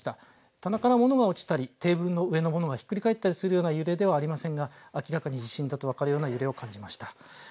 棚から物が落ちたりテーブルの上の物がひっくり返ったりするような揺れではありませんが明らかに地震だと分かるような揺れを感じました。